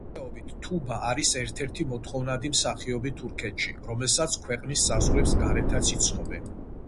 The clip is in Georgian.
დღესდღეობით თუბა არის ერთ-ერთი მოთხოვნადი მსახიობი თურქეთში, რომელსაც ქვეყნის საზღვრებს გარეთაც იცნობენ.